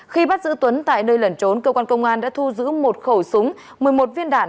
khi bắt giữ tuấn tại nơi lẩn trốn cơ quan công an đã thu giữ một khẩu súng một mươi một viên đạn